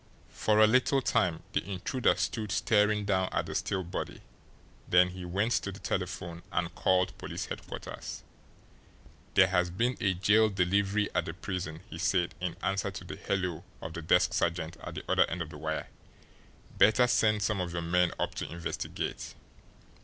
For a little time the intruder stood staring down at the still body, then he went to the telephone and called police headquarters. "There has been a jail delivery at the prison," he said in answer to the "hello" of the desk sergeant at the other end of the wire. "Better send some of your men up to investigate."